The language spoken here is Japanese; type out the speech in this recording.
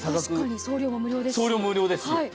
送料も無料ですし。